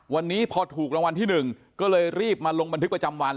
วันนี้พอถูกรางวัลที่๑ก็เลยรีบมาลงบันทึกประจำวัน